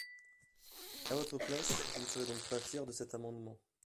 À votre place, je ne serai donc pas fier de cet amendement.